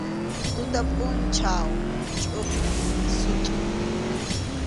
Tuta pʼunchaw chʼuqñin sutʼun.